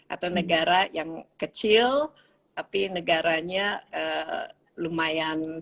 atau negara yang kecil tapi negaranya lumayan